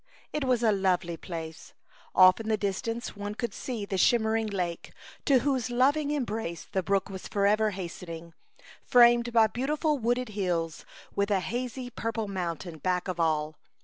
It was a lovely place: off in the distance one could see the shimmer ing lake, to whose loving embrace the brook was forever hastening, framed by beautiful wooded hills, with a hazy purple mountain back of all.